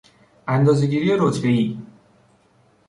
اندازهگیری رتبهای